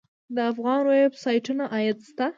د افغاني ویب سایټونو عاید شته؟